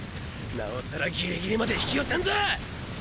なおさらギリギリまで引き寄せンぞ！